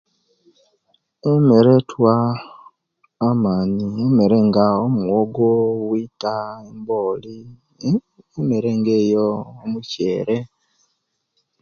Emera etuwa maani emere nga muwoogo bwiita mbooli emere nge yo mukyere